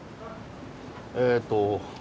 えっと